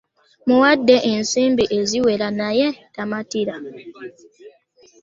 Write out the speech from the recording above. Mmuwadde ensimbi eziwera naye tamatira.